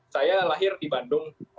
saya lahir di bandung mas iqbal